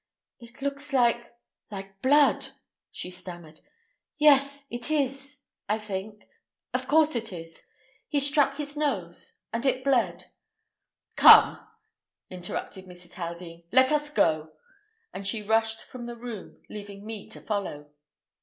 "It looks like—like blood," she stammered. "Yes, it is—I think—of course it is. He struck his nose—and it bled—" "Come," interrupted Mrs. Haldean, "let us go," and she rushed from the room, leaving me to follow.